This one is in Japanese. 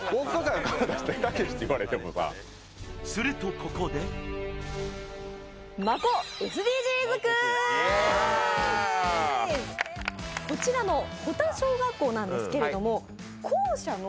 すると、ここでこちらの保田小学校なんですけどジャーン！